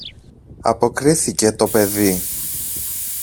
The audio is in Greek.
αποκρίθηκε το παιδί.